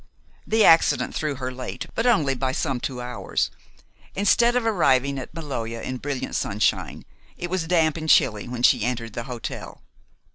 The accident threw her late, but only by some two hours. Instead of arriving at Maloja in brilliant sunshine, it was damp and chilly when she entered the hotel.